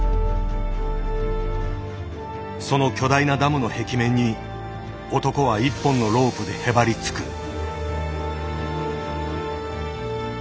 その巨大なダムの壁面に男は１本のロープでへばりつく。